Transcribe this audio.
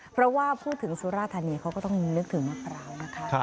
เพราะว่าพูดถึงสุราธานีเขาก็ต้องนึกถึงมะพร้าวนะคะ